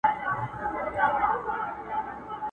نغمې بې سوره دي، له ستوني مي ږغ نه راوزي!.